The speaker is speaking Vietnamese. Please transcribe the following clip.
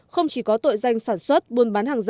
không chỉ có tội danh sản xuất buôn bán hàng giả